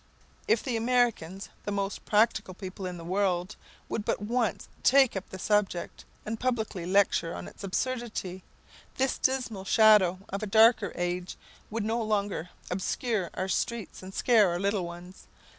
If the Americans, the most practical people in the world, would but once take up the subject and publicly lecture on its absurdity, this dismal shadow of a darker age would no longer obscure our streets and scare our little ones.